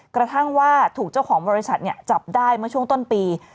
กระทั่งว่าถูกเจ้าของบริษัทจับได้เมื่อช่วงต้นปี